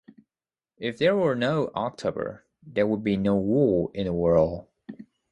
If there were no October, there would be no wool in the world.